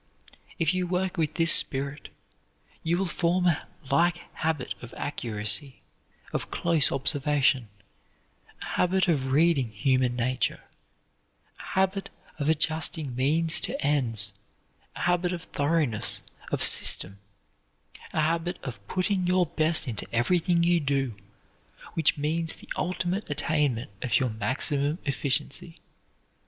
If you work with this spirit, you will form a like habit of accuracy, of close observation; a habit of reading human nature; a habit of adjusting means to ends; a habit of thoroughness, of system; a habit of putting your best into everything you do, which means the ultimate attainment of your maximum efficiency.